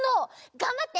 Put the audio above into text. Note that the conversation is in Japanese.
がんばって！